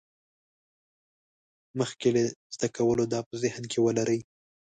مخکې له زده کولو دا په ذهن کې ولرئ.